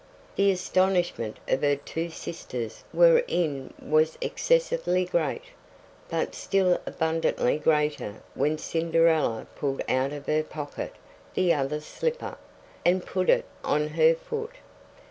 The astonishment her two sisters were in was excessively great, but still abundantly greater when Cinderella pulled out of her pocket the other slipper, and put it on her foot.